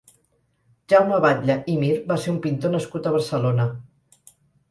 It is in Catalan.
Jaume Batlle i Mir va ser un pintor nascut a Barcelona.